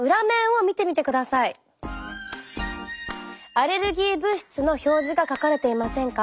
アレルギー物質の表示が書かれていませんか？